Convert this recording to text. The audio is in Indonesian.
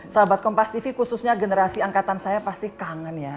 sahabat kompas tv khususnya generasi angkatan saya pasti kangen ya